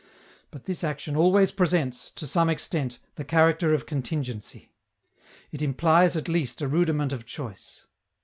But this action always presents, to some extent, the character of contingency; it implies at least a rudiment of choice.